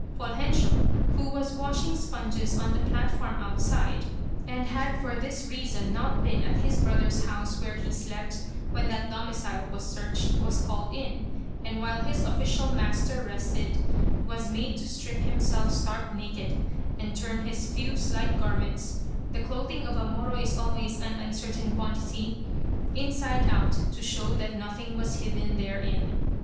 Poljensio, who was washing sponges on the platform outside, and had for this reason not been at his brother's house, where he slept, when that domicile was searched, was called in, and while his official master rested, was made to strip himself stark naked, and turn his few slight garments the clothing of a Moro is always an uncertain quantity inside out to show that nothing was hidden therein.